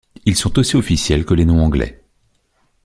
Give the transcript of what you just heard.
Ils sont aussi officiels que les noms anglais.